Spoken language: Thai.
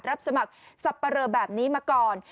รับสมัครสับปะเลอแบบนี้มาก่อน